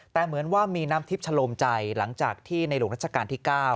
แต่เหมือนว่ามีน้ำทิพย์ชะลมใจหลังจากที่ในหลวงรัชกาลที่๙